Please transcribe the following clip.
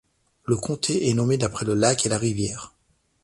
Le comté est nommé d'après le lac et la rivière.